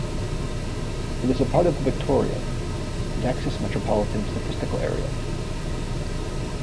It is a part of the Victoria, Texas Metropolitan Statistical Area.